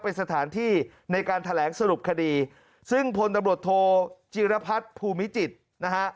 เป็นสถานที่ในการแถลงสรุปคดีซึ่งพลตำรวจโทจีรพัฒน์ภูมิจิตรนะฮะ